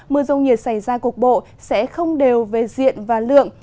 mưa rông nhiệt xảy ra cục bộ sẽ không đều về diện và lượng